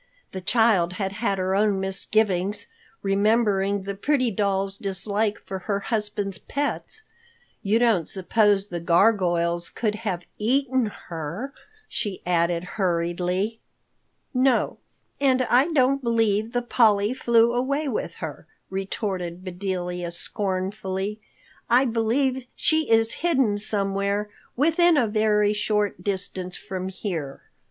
The child had had her own misgivings, remembering the pretty doll's dislike for her husband's pets. "You don't suppose the gargoyles could have eaten her?" she added hurriedly. "No, and I don't believe the Polly flew away with her," retorted Bedelia scornfully. "I believe she is hidden somewhere within a very short distance from here.